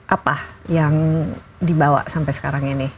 apa yang dibawa sampai sekarang ini